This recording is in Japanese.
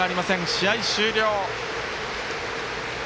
試合終了。